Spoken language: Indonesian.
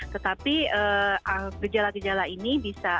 tetapi gejala gejala ini bisa